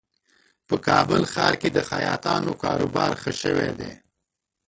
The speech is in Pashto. په کابل ښار کې د خیاطانو کاروبار ښه شوی دی